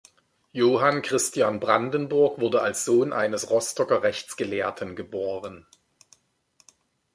Johann Christian Brandenburg wurde als Sohn eines Rostocker Rechtsgelehrten geboren.